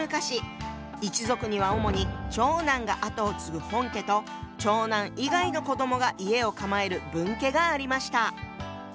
一族には主に長男が跡を継ぐ「本家」と長男以外の子どもが家を構える「分家」がありました。